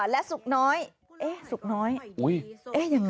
และสุกน้อยเอ๊ะสุกน้อย